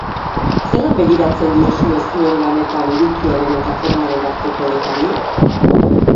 Zelan begiratzen diozue zuen lanetan edukiaren eta formaren arteko orekari?